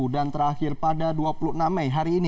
dan terakhir pada dua puluh enam mei hari ini